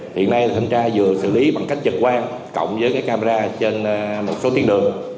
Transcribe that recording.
hiện nay là thanh tra vừa xử lý bằng cách trực quan cộng với camera trên một số tiếng đường